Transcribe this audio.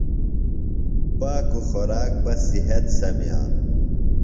پاکُوۡ خوراک بہ صِحت سمِیانوۡ۔